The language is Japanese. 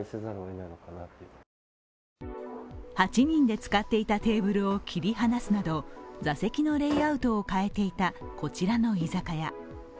８人で使っていたテーブルを切り離すなど、座席のレイアウトを変えていたこちらの居酒屋。